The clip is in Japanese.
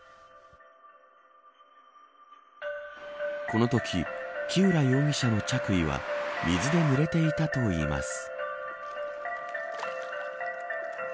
このとき木浦容疑者の着衣は水でぬれていたといいます。